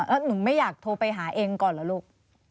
อ่าหนูไม่อยากโทรไปหาเอ็มก่อนล่ะลูก